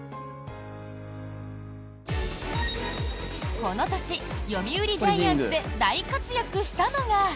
この年、読売ジャイアンツで大活躍したのが。